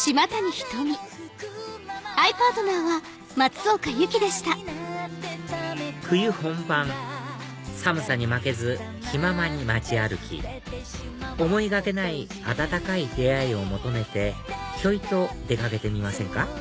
戸田さん冬本番寒さに負けず気ままに街歩き思いがけない温かい出会いを求めてひょいと出掛けてみませんか？